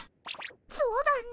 そうだね。